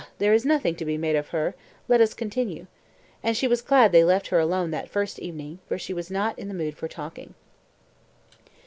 there is nothing to be made of her; let us continue;" and she was glad they left her alone that first evening, for she was not in the mood for talking.